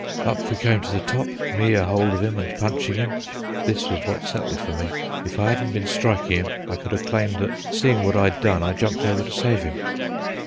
Up we came to the top, me a hold of him an' punchin' him. This was what settled for me. If I hadn't ben strikin' him, I could have claimed that, seein' what I had done, I jumped over to save him."